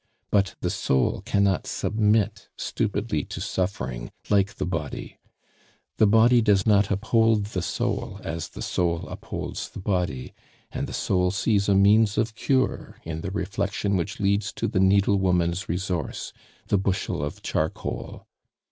But the soul cannot submit stupidly to suffering like the body; the body does not uphold the soul as the soul upholds the body, and the soul sees a means of cure in the reflection which leads to the needlewoman's resource the bushel of charcoal.